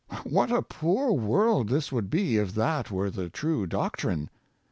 what a poor world this would be if that were the true doctrine!